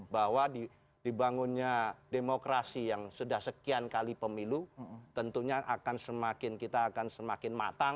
bahwa dibangunnya demokrasi yang sudah sekian kali pemilu tentunya akan semakin kita akan semakin matang